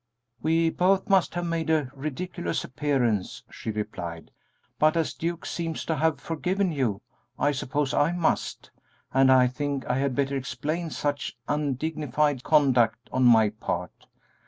"We both must have made a ridiculous appearance," she replied, "but as Duke seems to have forgiven you, I suppose I must, and I think I had better explain such undignified conduct on my part.